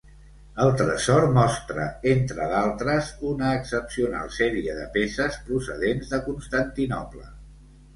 El tresor mostra, entre d'altres, una excepcional sèrie de peces procedents de Constantinoble.